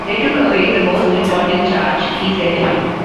"They took away the most important charge," he said.